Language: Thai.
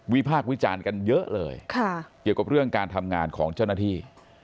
พากษ์วิจารณ์กันเยอะเลยเกี่ยวกับเรื่องการทำงานของเจ้าหน้าที่